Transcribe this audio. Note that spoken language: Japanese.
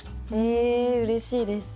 えうれしいです。